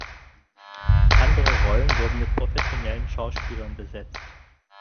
Andere Rollen wurden mit professionellen Schauspielern besetzt.